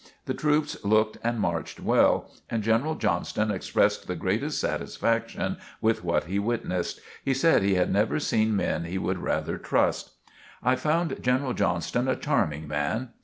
The troops looked and marched well, and General Johnston expressed the greatest satisfaction with what he witnessed. He said he had never seen men he would rather trust. I found General Johnston a charming man.